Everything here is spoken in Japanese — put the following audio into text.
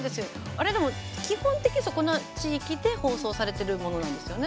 あれでも、基本的にそこの地域で放送されてるものなんですよね。